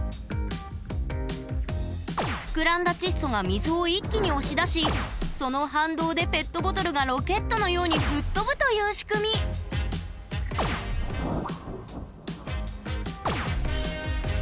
膨らんだ窒素が水を一気に押し出しその反動でペットボトルがロケットのように吹っ飛ぶという仕組みねえ。